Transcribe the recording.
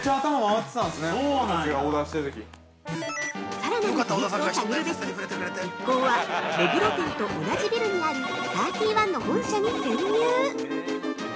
◆さらなる秘密を探るべく、一行は目黒店と同じビルにあるサーティーワンの本社へ潜入！